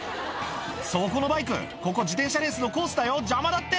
そこのバイク、ここ、自転車レースのコースだよ、邪魔だって。